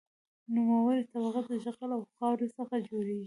نوموړې طبقه د جغل او خاورې څخه جوړیږي